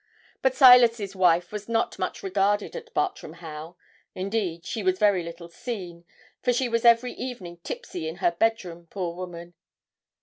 But Silas's wife was not much regarded at Bartram Haugh. Indeed, she was very little seen, for she was every evening tipsy in her bedroom, poor woman!'